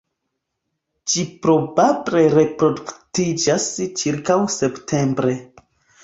Ĝi probable reproduktiĝas ĉirkaŭ septembre.